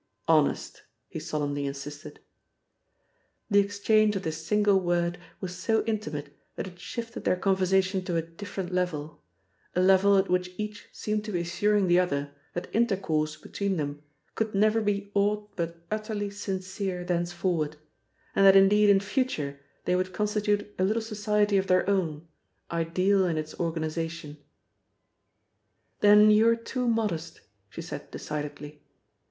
"Honest!" he solemnly insisted. The exchange of this single word was so intimate that it shifted their conversation to a different level a level at which each seemed to be assuring the other that intercourse between them could never be aught but utterly sincere thenceforward, and that indeed in future they would constitute a little society of their own, ideal in its organisation. "Then you're too modest," she said decidedly.